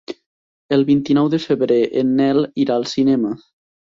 El vint-i-nou de febrer en Nel irà al cinema.